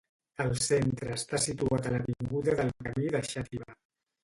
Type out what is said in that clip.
El centre està situat a l'avinguda del Camí de Xàtiva.